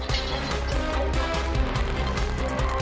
คือเจ้าประวัติภาโง